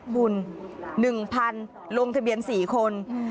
บุญ๑๐๐๐ลงทะเบียน๔คน